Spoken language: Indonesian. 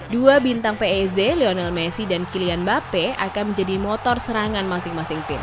dua bintang pez lionel messi dan kylian mbappe akan menjadi motor serangan masing masing tim